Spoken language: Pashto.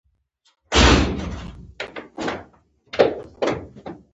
نن د احمد ځوان ورور په ټکر مړ شو.